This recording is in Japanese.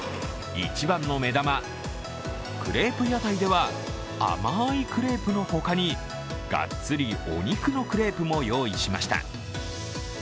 一番の目玉、クレープ屋台では甘いクレープの他にがっつりお肉のクレープも用意しました。